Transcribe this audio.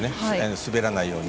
滑らないように。